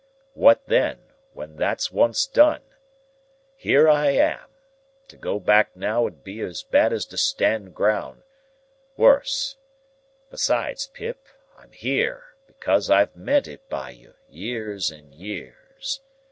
What then, when that's once done? Here I am. To go back now 'ud be as bad as to stand ground—worse. Besides, Pip, I'm here, because I've meant it by you, years and years.